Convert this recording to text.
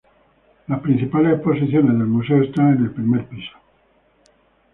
La principales exposiciones del museo están en el primer piso.